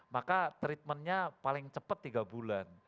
maka treatmentnya paling cepat tiga bulan